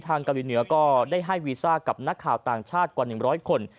เกาหลีเหนือก็ได้ให้วีซ่ากับนักข่าวต่างชาติกว่า๑๐๐คน